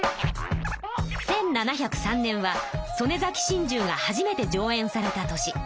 １７０３年は「曽根崎心中」が初めて上演された年。